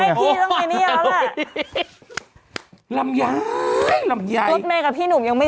ใช่เปล่าอังซี่ครับใช่หรือไม่ใช่